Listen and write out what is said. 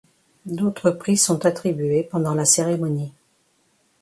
D'autres prix sont attribués pendant la cérémonie.